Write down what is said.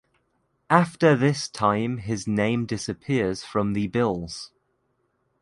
After this time his name disappears from the bills.